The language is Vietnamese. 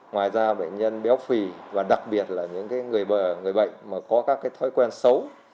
ngoài ra bệnh nhân béo phì và đặc biệt là những người bệnh mà có các thói quen xấu